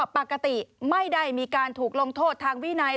ปกติไม่ได้มีการถูกลงโทษทางวินัย